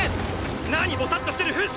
何ボサッとしてるフシ！